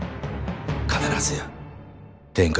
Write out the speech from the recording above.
必ずや天下人に。